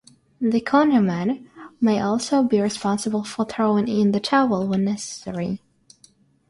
The cornerman may also be responsible for throwing in the towel when necessary.